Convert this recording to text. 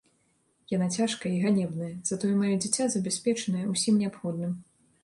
Яна цяжкая і ганебная, затое маё дзіця забяспечанае ўсім неабходным.